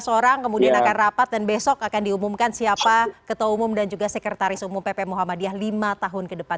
lima belas orang kemudian akan rapat dan besok akan diumumkan siapa ketua umum dan juga sekretaris umum pp muhammadiyah lima tahun ke depan